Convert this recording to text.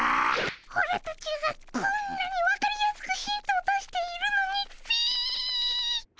オラたちがこんなに分かりやすくヒントを出しているのにっピィ。